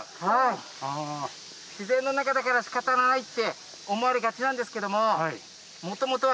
自然の中だからしかたがないって思われがちなんですけども。